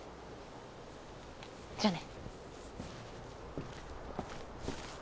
じゃあね。